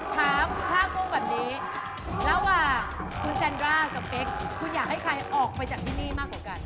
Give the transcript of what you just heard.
ถามผ้ากุ้งแบบนี้ระหว่างคุณแซนด้ากับเป๊กคุณอยากให้ใครออกไปจากที่นี่มากกว่ากัน